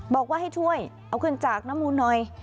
บอกว่าให้ช่วยเอาขึ้นจากน้ำมูลหน่อย